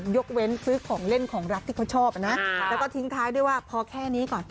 ยกเว้นซื้อของเล่นของรักที่เขาชอบนะแล้วก็ทิ้งท้ายด้วยว่าพอแค่นี้ก่อน